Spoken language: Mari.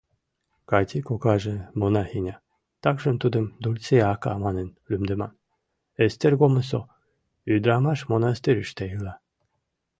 Кати кокаже — монахиня, такшым тудым Дульция ака манын лӱмдыман, Эстергомысо ӱдырамаш монастырьыште ила.